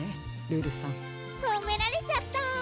ルルさん。ほめられちゃった！